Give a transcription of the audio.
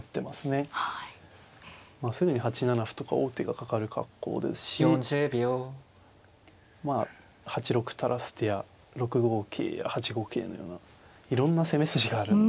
すぐに８七歩とか王手がかかる格好ですしまあ８六歩垂らす手や６五桂や８五桂のようないろんな攻め筋があるんで。